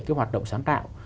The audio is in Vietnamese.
cái hoạt động sáng tạo